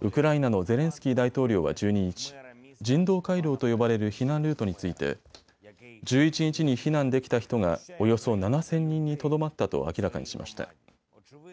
ウクライナのゼレンスキー大統領は１２日、人道回廊と呼ばれる避難ルートについて１１日に避難できた人がおよそ７０００人にとどまったと明らかにしました。